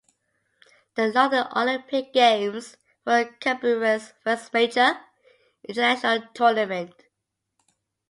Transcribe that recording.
The London Olympic Games were Cabrera's first major international tournament.